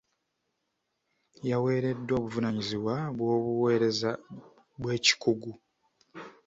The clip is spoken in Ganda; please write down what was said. Yaweereddwa obuvunaanyizibwa bw'obuweereza bw'ekikugu.